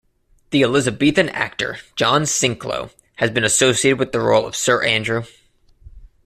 The Elizabethan actor John Sinklo has been associated with the role of Sir Andrew.